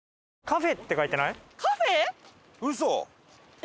カフェって書いてある！